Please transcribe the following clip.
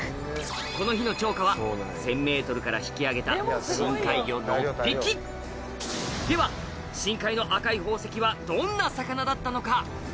この日の釣果は１０００ｍから引き上げた深海魚６匹では深海の赤い宝石はどんな魚だったのか？